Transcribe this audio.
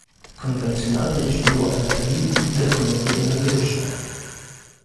Konwencjonalne źródła energii i technologie energetyczne